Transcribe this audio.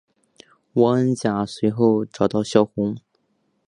汪恩甲随后找到萧红。